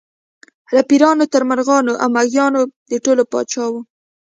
له پېریانو تر مرغانو او مېږیانو د ټولو پاچا و.